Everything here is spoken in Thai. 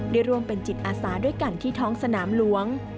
ได้ร่วมเป็นจิตอาสาด้วยกันที่ท้องสนามหลวง